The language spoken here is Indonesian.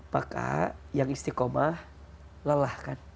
maka yang istiqomah lelah kan